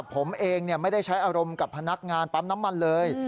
ผมเองไม่ได้ใช้อารมณ์กับพนักงานปั๊มน้ำมันเลย